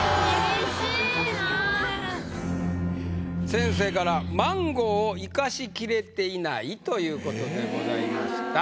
先生から「マンゴーを活かしきれていない」ということでございました。